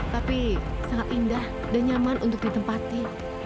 tapi sangat indah dan nyaman untuk ditempati